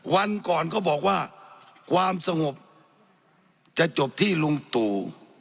วันก่อนเขาบอกว่าความสงบจะจบที่ลุงตู่